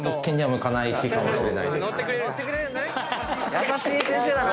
優しい先生だな。